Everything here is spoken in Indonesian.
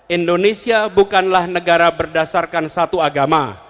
indonesia bukanlah negara berdasarkan satu agama